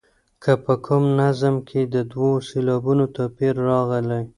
که په کوم نظم کې د دوو سېلابونو توپیر راغلی.